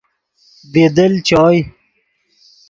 بی دل چوئے۔